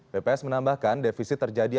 bps menambahkan defisit terjadinya